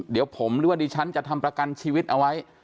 เดี๋ยวผมหรือว่าดิฉันจะทำประกันชีวิตเอาไว้